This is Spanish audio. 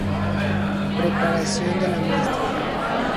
Preparación de la muestra.